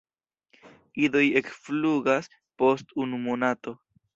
Idoj ekflugas post unu monato.